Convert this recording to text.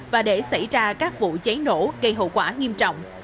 và để xảy ra các vụ cháy nổ gây hậu quả nghiêm trọng